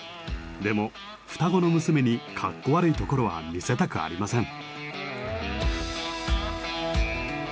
でも双子の娘にかっこ悪いところは見せたくありません。